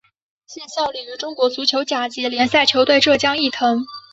现效力于中国足球甲级联赛球队浙江毅腾。